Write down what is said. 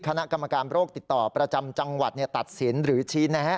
คณะกรรมการโรคติดต่อประจำจังหวัดตัดสินหรือชี้แนะ